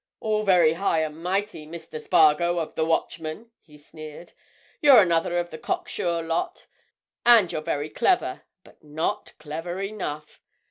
"All very high and mighty, Mr. Spargo of the Watchman!" he sneered. "You're another of the cock sure lot. And you're very clever, but not clever enough.